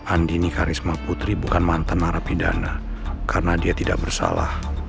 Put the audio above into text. andi nika risma putri bukan mantan narapidana karena dia tidak bersalah